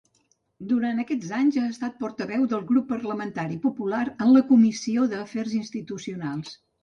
Durant aquests anys ha estat portaveu del Grup Parlamentari Popular en la Comissió d'Afers Institucionals.